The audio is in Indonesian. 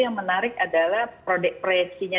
yang menarik adalah proyek proyekinya